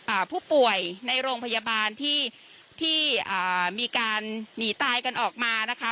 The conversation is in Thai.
อ่าผู้ป่วยในโรงพยาบาลที่ที่อ่ามีการหนีตายกันออกมานะคะ